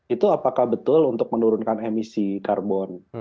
itu apakah betul untuk menurunkan emisi karbon